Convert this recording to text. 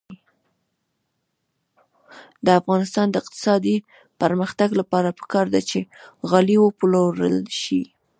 د افغانستان د اقتصادي پرمختګ لپاره پکار ده چې غالۍ وپلورل شي.